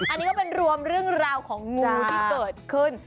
อันนี้ก็เป็นรวมเรื่องราวของงูที่เกิดขึ้น